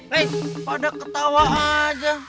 hei pada ketawa aja